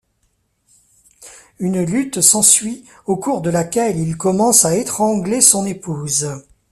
Une lutte s'ensuit au cours de laquelle il commence à étranger son épouse.